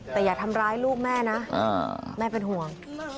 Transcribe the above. แต่อย่าทำร้ายลูกแม่นะแม่เป็นห่วง